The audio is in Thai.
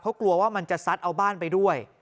เพราะกลัวว่ามันจะซัดเอาบ้านไปด้วย